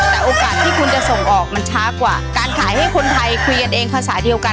แต่โอกาสที่คุณจะส่งออกมันช้ากว่าการขายให้คนไทยคุยกันเองภาษาเดียวกัน